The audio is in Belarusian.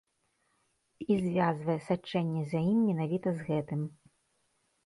І звязвае сачэнне за ім менавіта з гэтым.